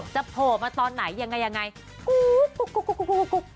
จะโผล่มาตอนไหนยังไงกุ๊กกุ๊กกุ๊กกุ๊กกุ๊กกุ๊ก